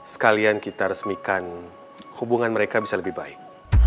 sekalian kita resmikan hubungan mereka bisa lebih baik